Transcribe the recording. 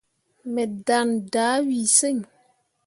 Me ɗaŋne dah wii sen.